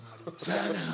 そやねん